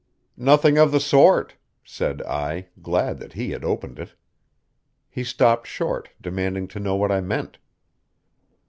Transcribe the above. "Nothing of the sort," said I, glad that he had opened it. He stopped short, demanding to know what I meant.